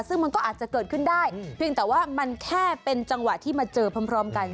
ซึ่งมันก็อาจจะเกิดขึ้นได้เพียงแต่ว่ามันแค่เป็นจังหวะที่มาเจอพร้อมกัน